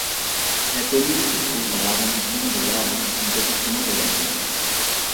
La commune se trouve dans l'arrondissement de Laon du département de l'Aisne.